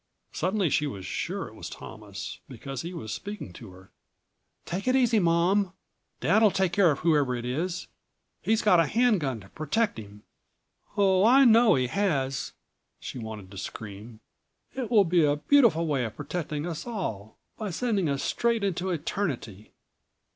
Suddenly she was sure it was Thomas, because he was speaking to her. "Take it easy, Mom! Dad'll take care of whoever it is. He's got a hand gun to protect him." "Oh, I know he has!" she wanted to scream. "It will be a beautiful way of protecting us all ... by sending us straight into eternity.